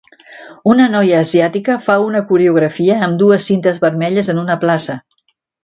Una noia asiàtica fa una coreografia amb dues cintes vermelles en una plaça.